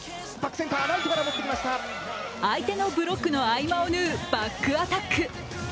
相手のブロックの合間を縫うバックアタック。